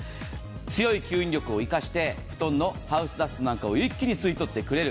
強い吸引力を生かして布団のハウスダストなんかを一気に吸い取ってくれる。